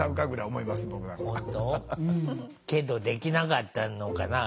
けどできなかったのかな。